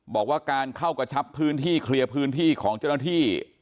บอกว่าการเข้ากระชับพื้นที่เคลียร์พื้นที่ของเจ้าหน้าที่